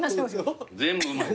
全部うまい。